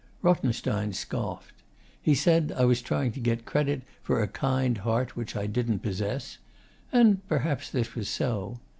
Rothenstein scoffed. He said I was trying to get credit for a kind heart which I didn't possess; and perhaps this was so.